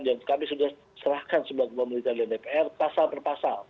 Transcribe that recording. dan kami sudah serahkan sebagai pemerintah dan dpr pasal perpasal